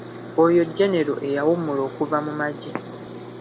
Oyo genero eyawummula okuva mu magye.